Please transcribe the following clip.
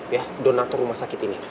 ya donator rumah sakit ini